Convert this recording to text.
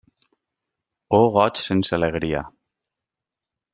Oh goig sense alegria!